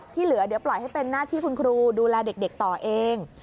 เหลือเดี๋ยวปล่อยให้เป็นหน้าที่คุณครูดูแลเด็กต่อเอง